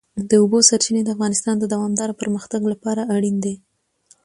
د اوبو سرچینې د افغانستان د دوامداره پرمختګ لپاره اړین دي.